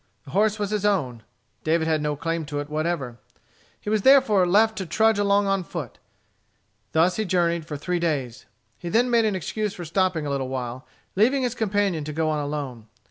The horse was his own. David had no claim to it whatever. He was therefore left to trudge along on foot. Thus he journeyed for three days. He then made an excuse for stopping a little while, leaving his companion to go on alone.